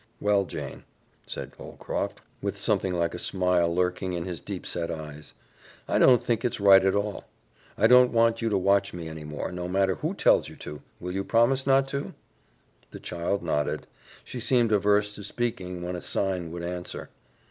"Well, Jane," said Holcroft, with something like a smile lurking in his deep set eyes. "I don't think it's right at all. I don't want you to watch me any more, no matter who tells you to. Will you promise not to?" The child nodded. She seemed averse to speaking when a sign would answer.